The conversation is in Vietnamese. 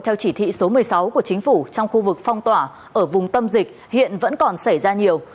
theo chỉ thị số một mươi sáu của chính phủ trong khu vực phong tỏa ở vùng tâm dịch hiện vẫn còn xảy ra nhiều